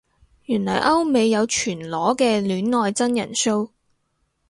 原來歐美有全裸嘅戀愛真人騷